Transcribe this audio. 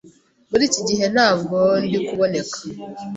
Muri iki gihe ntabwo ndikuboneka